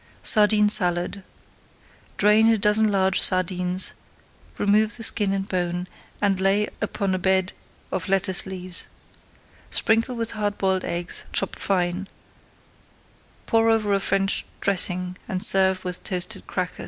SARDINE SALAD Drain a dozen large sardines, remove the skin and bone, and lay upon a bed of lettuce leaves. Sprinkle with hard boiled eggs, chopped fine, pour over a French dressing and serve with toasted crackers.